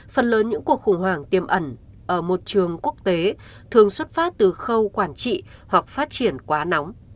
phần lớn những cuộc khủng hoảng tiềm ẩn ở một trường quốc tế thường xuất phát từ khâu quản trị hoặc phát triển quá nóng